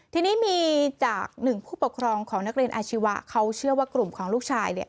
ทีนี้มีจากหนึ่งผู้ปกครองของนักเรียนอาชีวะเขาเชื่อว่ากลุ่มของลูกชายเนี่ย